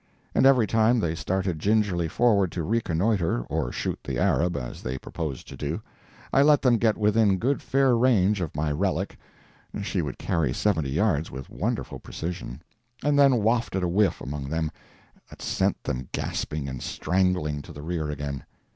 And every time they started gingerly forward to reconnoitre or shoot the Arab, as they proposed to do I let them get within good fair range of my relic (she would carry seventy yards with wonderful precision), and then wafted a whiff among them that sent them gasping and strangling to the rear again.